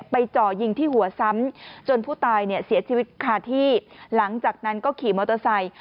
จ่อยิงที่หัวซ้ำจนผู้ตายเนี่ยเสียชีวิตคาที่หลังจากนั้นก็ขี่มอเตอร์ไซค์